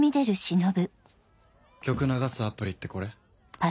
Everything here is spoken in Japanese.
曲流すアプリってこれ？